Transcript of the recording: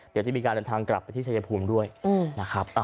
เดี๋ยวจะมีการเดินทางกลับไปที่ชายภูมิด้วยนะครับ